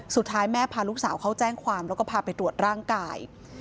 สุดท้ายแม่พาลูกสาวเข้าแจ้งความแล้วก็พาไปตรวจร่างกาย